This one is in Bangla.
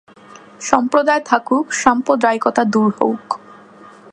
সম্প্রদায় থাকুক, সাম্প্রদায়িকতা দূর হউক।